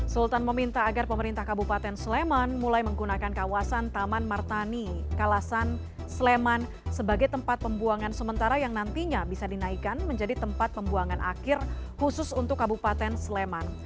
sultan meminta agar pemerintah kabupaten sleman mulai menggunakan kawasan taman martani kalasan sleman sebagai tempat pembuangan sementara yang nantinya bisa dinaikkan menjadi tempat pembuangan akhir khusus untuk kabupaten sleman